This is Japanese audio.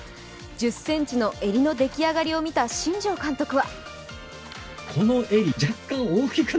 １０ｃｍの襟の出来上がりを見た新庄監督は。